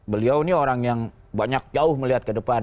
beliau ini orang yang banyak jauh melihat ke depan